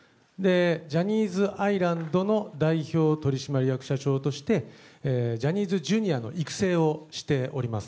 ジャニーズアイランドの代表取締役社長として、ジャニーズＪｒ．の育成をしております。